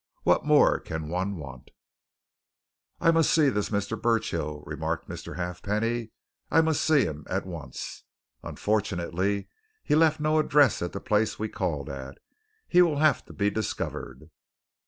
What more can one want?" "I must see this Mr. Burchill," remarked Mr. Halfpenny. "I must see him at once. Unfortunately, he left no address at the place we called at. He will have to be discovered."